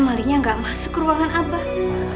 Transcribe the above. malingnya gak masuk ke ruangan abah